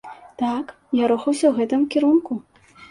Так, я рухаўся ў гэтым кірунку!